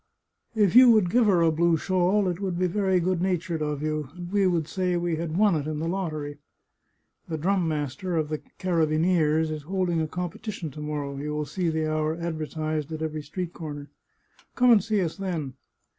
If you would give her a blue shawl it would be very good natured of you, and we would say we had won it in the lot tery. The drum master of the carabineers is holding a com petition to morrow — you will see the hour advertised at every street corner. Come and see us then.